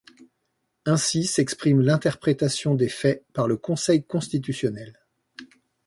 Ainsi s'exprime l'interprétation des faits par le conseil constitutionnel.